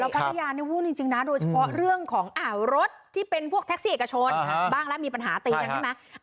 พัทยานี่วุ่นจริงนะโดยเฉพาะเรื่องของรถที่เป็นพวกแท็กซี่เอกชนบ้างแล้วมีปัญหาตีกันใช่ไหม